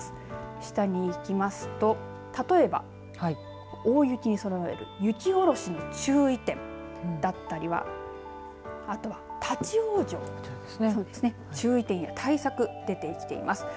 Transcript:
下にいきますと、例えば大雪に備える雪下ろしの注意点だったりあとは、立往生注意点や対策、出てきています。